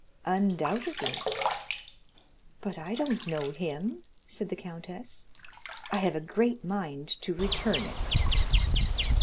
"Undoubtedly." "But I don't know him," said the countess; "I have a great mind to return it."